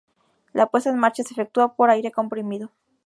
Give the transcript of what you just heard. La puesta en marcha se efectúa por aire comprimido.